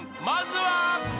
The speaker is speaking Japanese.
［まずは］